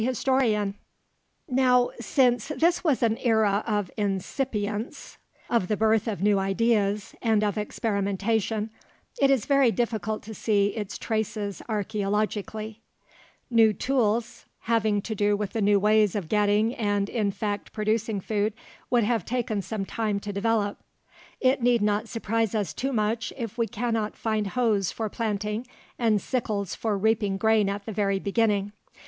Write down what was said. [Illustration: POSSIBLE RELATIONSHIPS OF STAGES AND ERAS IN WESTERN ASIA AND NORTHEASTERN AFRICA] Now since this was an era of incipience, of the birth of new ideas, and of experimentation, it is very difficult to see its traces archeologically. New tools having to do with the new ways of getting and, in fact, producing food would have taken some time to develop. It need not surprise us too much if we cannot find hoes for planting and sickles for reaping grain at the very beginning.